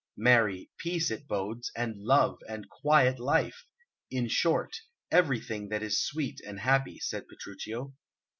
"Marry, peace it bodes, and love, and quiet life in short, everything that is sweet and happy," said Petruchio.